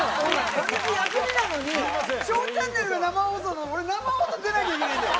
土日休みなのに、ＳＨＯＷチャンネルが生放送の、俺、生放送出なきゃいけないのよ。